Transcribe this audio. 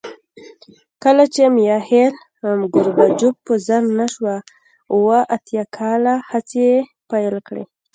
کله چې میخایل ګورباچوف په زر نه سوه اووه اتیا کال هڅې پیل کړې